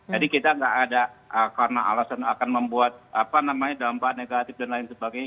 jadi kita gak ada alasan akan membuat dampak negatif dan lain sebagainya